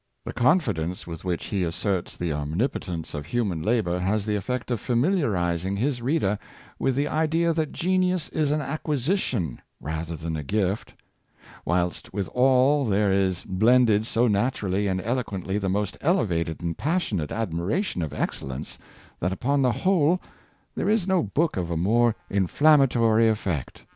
The con fidence with which he asserts the omnipotence of hu man labor has the effect of familiarizinof his reader vv^ith the idea that genius is an acquisition rather than a gift; whilst with all there is blended so naturally and eloquently the most elevated and passionate admiration of excellence, that upon the whole there is no book of a more inflamjnatory effect."